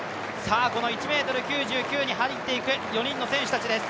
１ｍ９９に入っていく４人の選手たちです。